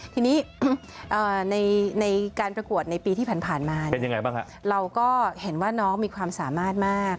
ทีนี้ในการประกวดในปีที่ผ่านมาเป็นยังไงบ้างฮะเราก็เห็นว่าน้องมีความสามารถมาก